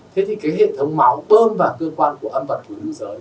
thế thì cái hệ thống máu bơm vào cơ quan của âm vật của nữ giới